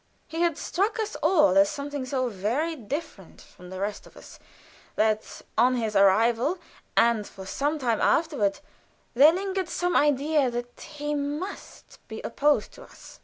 He had struck us all as something so very different from the rest of us, that, on his arrival and for some time afterward, there lingered some idea that he must be opposed to us.